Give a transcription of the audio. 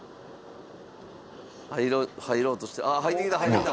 入ろうとしてあっ入ってきた入ってきた。